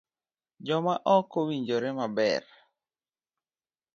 Joma ok owinjore ibi